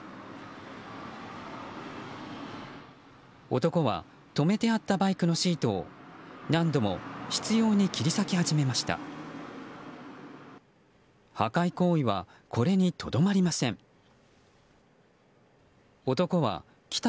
男は、止めてあったバイクのシートを何度も執拗に切り裂き始めました。